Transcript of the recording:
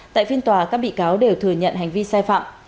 tại phiên tòa các bị cáo đều thừa nhận hành vi sai phạm